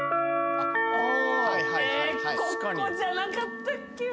ここじゃなかったっけ？